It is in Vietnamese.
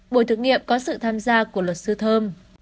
buổi thực nghiệm có sự tham gia của luật sư thơm